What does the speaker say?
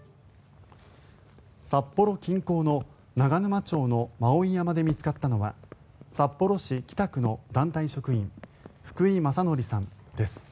札幌近郊の長沼町の馬追山で見つかったのは札幌市北区の団体職員福井政則さんです。